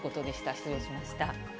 失礼しました。